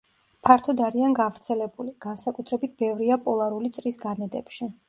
ფართოდ არიან გავრცელებული; განსაკუთრებით ბევრია პოლარული წრის განედებში.